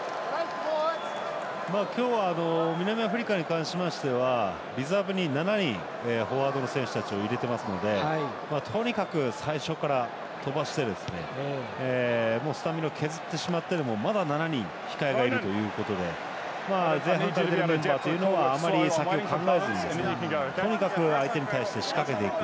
今日は南アフリカに関しましてはリザーブに７人フォワードの選手たちを入れてますのでとにかく、最初から飛ばしてもうスタミナを削ってしまってもまだ７人控えがいるということで前半出場のメンバーはあまり先を考えずに仕掛けていく。